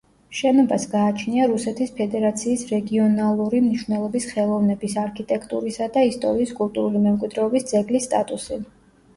შენობას გააჩნია რუსეთის ფედერაციის რეგიონალური მნიშვნელობის ხელოვნების, არქიტექტურისა და ისტორიის კულტურული მემკვიდრეობის ძეგლის სტატუსი.